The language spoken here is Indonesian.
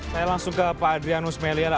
saya langsung ke pak adrianus meliala